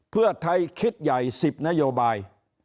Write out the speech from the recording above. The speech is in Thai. เพื่อไทยคิดใหญ่๑๐นโยบาย